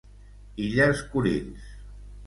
Illes Kurils.